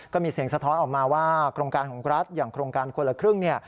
ก็มีเสียงสะท้อนออกมาว่าโครงการของรัฐอย่างโครงการคนละครึ่ง